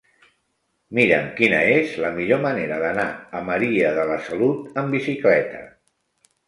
Mira'm quina és la millor manera d'anar a Maria de la Salut amb bicicleta.